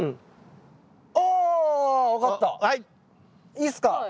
いいっすか？